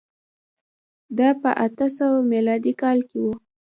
دا په اته سوه میلادي کال کي و.